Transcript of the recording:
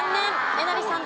えなりさん